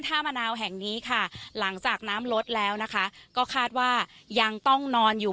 มะนาวแห่งนี้ค่ะหลังจากน้ำลดแล้วนะคะก็คาดว่ายังต้องนอนอยู่